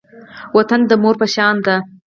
وطن د مور په شان دی